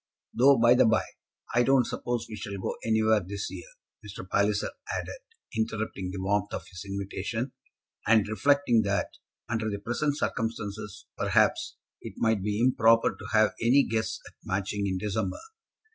Though, by the by, I don't suppose we shall go anywhere this year," Mr. Palliser added, interrupting the warmth of his invitation, and reflecting that, under the present circumstances, perhaps, it might be improper to have any guests at Matching in December.